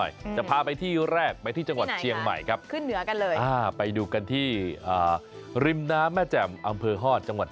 เราก็เล่นไปเที่ยวพักผ่อนเพลิดเพลินใจจนลืมน่ะสิ